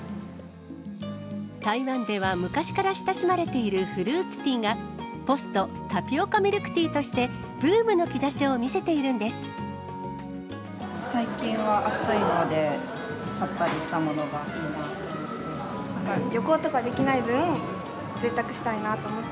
台湾では昔から親しまれているフルーツティーが、ポストタピオカミルクティーとして、ブームの兆しを見せているん最近は暑いので、さっぱりしたものがいいなと思って。